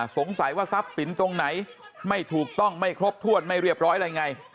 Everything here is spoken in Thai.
สงสัยว่าทรัพย์สินตรงไหนไม่ถูกต้องไม่ครบถ้วนไม่เรียบร้อยอะไรไง